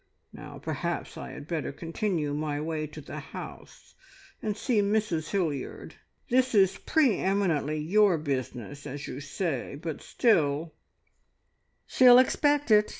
Now perhaps I had better continue my way to the house and see Mrs Hilliard. This is pre eminently your business, as you say, but still " "She'll expect it!